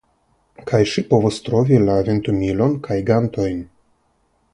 Kaj ŝi povos trovi la ventumilon kaj gantojn.